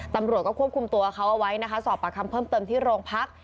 ตำรวจก็ควบคุมตัวเขาเอาไว้นะคะสอบประคำเพิ่มเติมที่โรงพัก